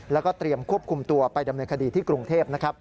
แล้วก็เตรียมควบคุมตัวไปดำเนินคดีที่กรุงเทพนะครับ